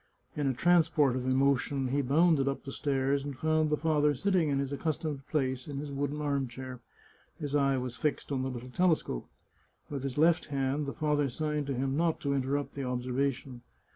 In a transport of emotion he bounded up the stairs and found the father sitting in his accustomed place in his wooden arm chair. His eye was i66 The Chartreuse of Parma fixed on the little telescope. With his left hand the father signed to him not to interrupt his observation.